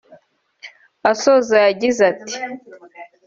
Asoza yagize ati